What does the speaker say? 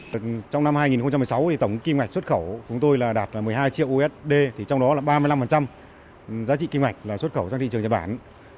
trong năm hai nghìn một mươi sáu tổng kim ngạch xuất khẩu của chúng tôi đạt một mươi hai triệu usd trong đó là ba mươi năm giá trị kim ngạch xuất khẩu sang thị trường nhật bản